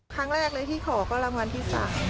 ครั้งแรกเลยที่ขอก็รางวัลที่๓